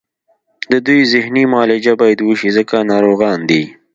د دوی ذهني معالجه باید وشي ځکه ناروغان دي